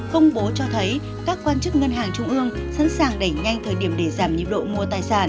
công bố cho thấy các quan chức ngân hàng trung ương sẵn sàng đẩy nhanh thời điểm để giảm nhiệt độ mua tài sản